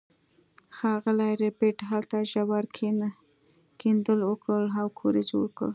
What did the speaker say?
ښاغلي ربیټ هلته ژور کیندل وکړل او کور یې جوړ کړ